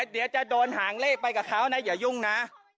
เดี๋ยวจะโดนหางเลขไปกับเขานะอย่ายุ่งนะ